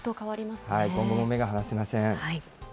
今後も目が離せません。